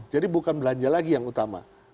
jadi bukan belanja lagi yang utama